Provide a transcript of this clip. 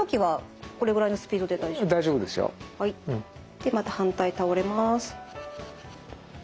でまた反対倒れます。